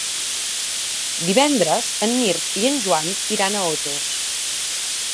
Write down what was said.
Divendres en Mirt i en Joan iran a Otos.